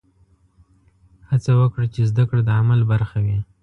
هڅه وکړه چې زده کړه د عمل برخه وي.